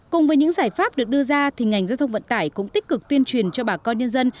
cùng với những giải pháp được đưa ra thì ngành giao thông vận tải cũng tích cực tuyên truyền cho bà con nhân dân